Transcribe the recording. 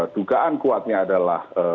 dugaan kuatnya adalah